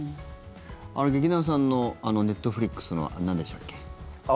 劇団さんのあのネットフリックスはなんでしたっけ？